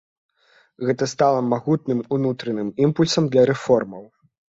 Гэта стала магутным унутраным імпульсам для рэформаў.